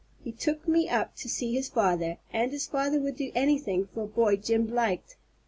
He took me up to see his father, and his father would do anything for a boy Jim liked.